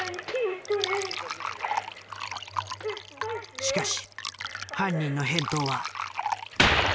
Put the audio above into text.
しかし犯人の返答は。